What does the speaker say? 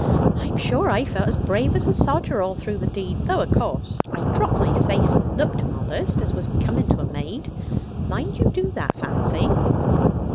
I'm sure I felt as brave as a sodger all through the deed though of course I dropped my face and looked modest, as was becoming to a maid. Mind you do that, Fancy."